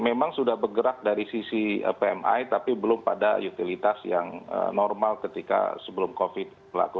memang sudah bergerak dari sisi pmi tapi belum pada utilitas yang normal ketika sebelum covid berlaku